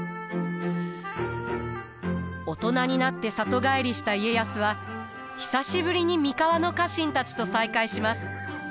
大人になって里帰りした家康は久しぶりに三河の家臣たちと再会します。